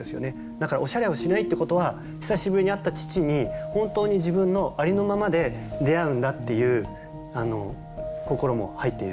だからおしゃれをしないってことは久しぶりに会った父に本当に自分のありのままで出会うんだっていう心も入っている。